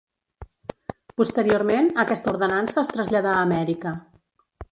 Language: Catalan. Posteriorment aquesta ordenança es traslladà a Amèrica.